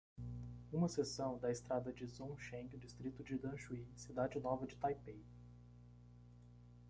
Uma seção da estrada de Zhongzheng, distrito de Danshui, cidade nova de Taipei